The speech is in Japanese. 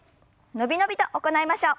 伸び伸びと行いましょう。